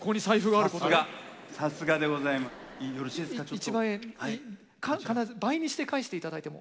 一万円必ず倍にして返して頂いても。